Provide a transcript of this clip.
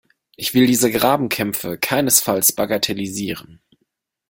Ich will diese Grabenkämpfe keinesfalls bagatellisieren.